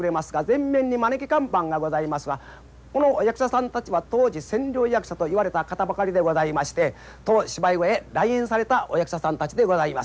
前面に招き看板がございますがこの役者さんたちは当時千両役者といわれた方ばかりでございまして当芝居小屋へ来演されたお役者さんたちでございます。